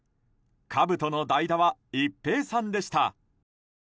かぶとの代打は一平さんでした。